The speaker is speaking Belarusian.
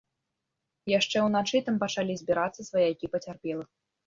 Яшчэ ўначы там пачалі збірацца сваякі пацярпелых.